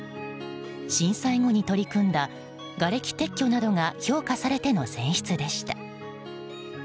震災後に取り組んだがれき撤去などが評価されての選出でした。